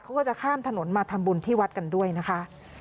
เขาก็จะข้ามถนนมาทำบุญที่วัดกันด้วยนะคะ